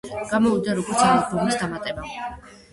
გამოვიდა, როგორც ალბომის დამატება.